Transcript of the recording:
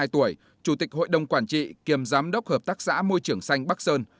hai mươi tuổi chủ tịch hội đồng quản trị kiêm giám đốc hợp tác xã môi trường xanh bắc sơn